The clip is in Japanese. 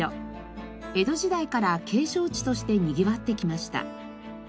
江戸時代から景勝地としてにぎわってきました。